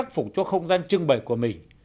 giải phục cho không gian trưng bày của mình